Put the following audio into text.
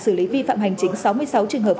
xử lý vi phạm hành chính sáu mươi sáu trường hợp